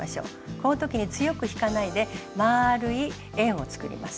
この時に強く引かないでまぁるい円を作ります。